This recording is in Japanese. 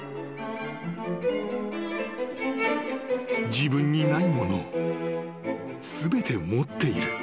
［自分にないものを全て持っている］